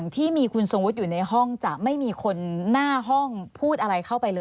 ที่มีคุณทรงวุฒิอยู่ในห้องจะไม่มีคนหน้าห้องพูดอะไรเข้าไปเลย